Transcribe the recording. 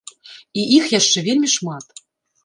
І іх яшчэ вельмі шмат.